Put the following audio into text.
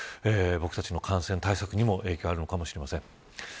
僕たちの感染対策にも影響があるかもしれません。